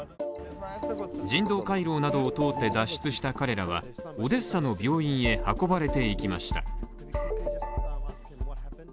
人道回廊などを通って脱出した彼らはオデッサの病院へ運ばれていきました。